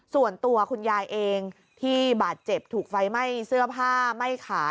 ส่วนตัวคุณยายเองที่บาดเจ็บถูกไฟไหม้เสื้อผ้าไหม้ขา